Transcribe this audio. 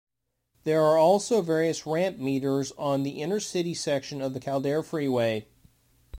There are also various Ramp Meters on the inner-city section of the Calder Freeway.